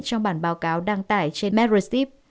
trong bản báo cáo đăng tải trên medrestip